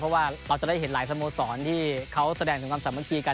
เพราะว่าเราจะได้เห็นหลายสโมสรที่เขาแสดงถึงความสามัคคีกัน